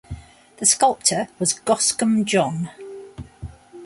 The sculptor was Goscombe John.